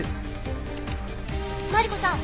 マリコさん